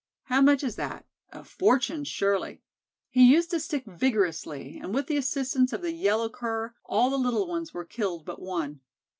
How much is that? A fortune surely. He used a stick vigorously, and with the assistance of the yellow Cur, all the little ones were killed but one.